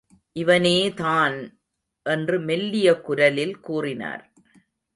இவனேதான்! என்று மெல்லிய குரலில் கூறினார்.